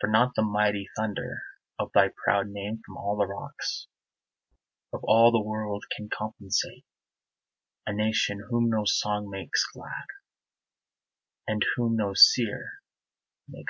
For not the mighty thunder Of thy proud name from all the rocks Of all the world can compensate A nation whom no Song makes glad, And whom no Seer makes great.